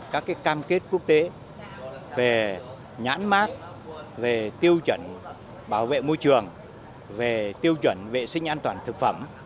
các cam kết quốc tế về nhãn mát về tiêu chuẩn bảo vệ môi trường về tiêu chuẩn vệ sinh an toàn thực phẩm